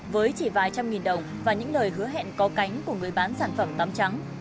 với chỉ vài trăm nghìn đồng và những lời hứa hẹn có cánh của người bán sản phẩm đám trắng